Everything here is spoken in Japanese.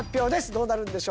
どうなるんでしょうか？